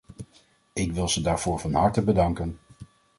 Ik wil ze daarvoor van harte bedanken!